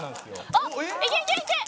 「あっいけいけいけ！